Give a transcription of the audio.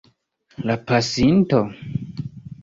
La pasinto?